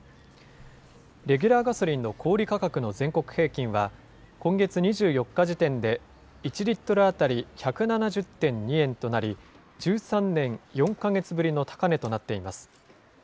レギュラーガソリンの小売り価格の全国平均は、今月２４日時点で、１リットル当たり１７０．２円となり、１３年４か月ぶりの高値となっています。